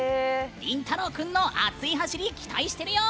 リンタロウ君の熱い走り期待してるよ！